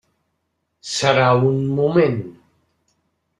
Serà un moment.